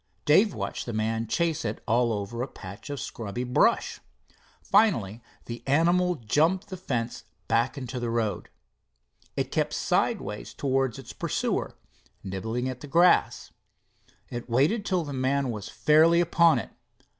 Dave watched the man chase it all over a patch of scrubby brush. Finally the animal jumped the fence back into the road. It kept sideways towards its pursuer, nibbling at the grass. It waited till the man was fairly upon it.